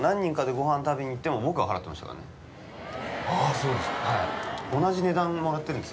そうですか